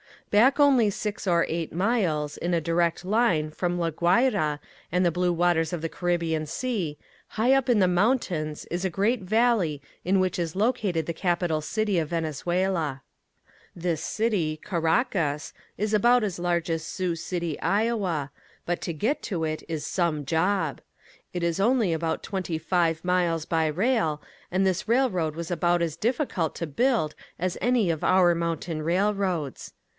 Back only six or eight miles, in a direct line, from La Guaira and the blue waters of the Caribbean sea, high up in the mountains is a great valley in which is located the capital city of Venezuela. This city, Caracas, is about as large as Sioux City, Iowa, but to get to it is some job. It is only about twenty five miles by rail and this railroad was about as difficult to build as any of our mountain railroads.